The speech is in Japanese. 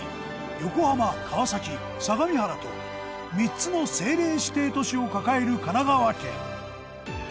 横浜川崎相模原と３つの政令指定都市を抱える神奈川県。